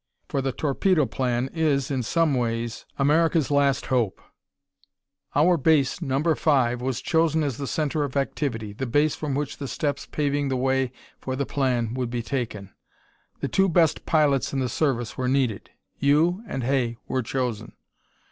For the Torpedo Plan is, in some ways, America's last hope. "Our base, No. 5, was chosen as the center of activity, the base from which the steps paving the way for the plan would be taken. The two best pilots in the service were needed. You and Hay were chosen.